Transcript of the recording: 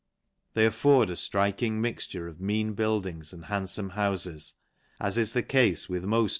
They afford a {Inking mix ture of mean buildings and handfome houfes, as is the cafe with mofr.